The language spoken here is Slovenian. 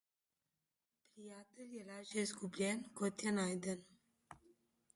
Prijatelj je lažje izgubljen, kot je najden.